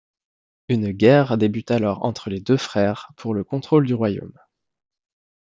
Une guerre débute alors entre les deux frères pour le contrôle du royaume.